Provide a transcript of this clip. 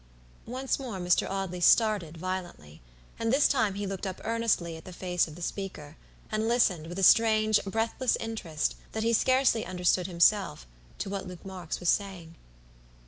Once more Mr. Audley started violently, and this time he looked up earnestly at the face of the speaker, and listened, with a strange, breathless interest, that he scarcely understood himself, to what Luke Marks was saying.